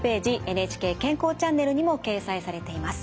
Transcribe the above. ＮＨＫ健康チャンネルにも掲載されています。